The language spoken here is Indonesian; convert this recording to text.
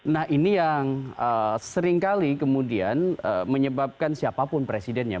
nah ini yang seringkali kemudian menyebabkan siapapun presidennya